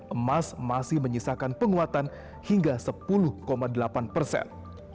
emas masih menyisakan penguatan hingga sepuluh delapan persen